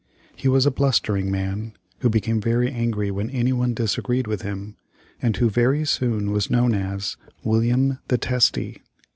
He was a blustering man, who became very angry when anyone disagreed with him, and who very soon was known as "William the Testy."